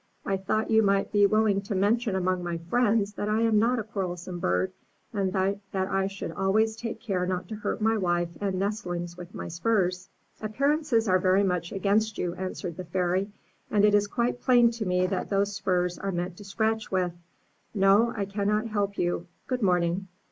I thought you might be willing to mention among my friends that I am not a quarrelsome bird, and that I should always take care not to hurt my wife and nestlings with my spurs/' Appearances are very much against you," answered the Fairy; *'and it is quite plain to me that those spurs are meant to scratch with. No, I cannot help you. Good morning."